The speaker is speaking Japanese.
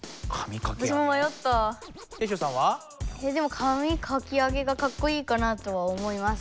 かみかき上げがかっこいいかなとは思います。